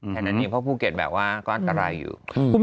แถนอันนี้พวกภูเกียรติแบบว่าก้อนตรายอยู่